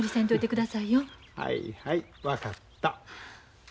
はいはい分かった。